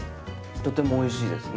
とてもおいしいですね。